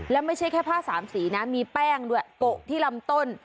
แล้วไม่ใช่แค่ผ้าสามสีนะมีแป้งด้วยโกะที่ลำต้น